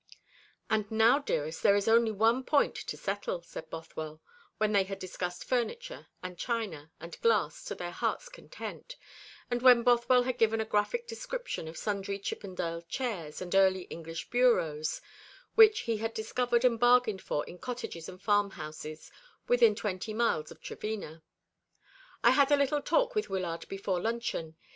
"And now, dearest, there is only one point to settle," said Bothwell, when they had discussed furniture and china and glass to their hearts' content, and when Bothwell had given a graphic description of sundry Chippendale chairs and Early English bureaux which he had discovered and bargained for in cottages and farmhouses within twenty miles of Trevena. "I had a little talk with Wyllard before luncheon.